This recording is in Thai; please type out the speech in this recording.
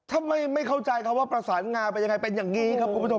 ถ้าไม่เข้าใจคำว่าประสานงาเป็นยังไงเป็นอย่างนี้ครับคุณผู้ชม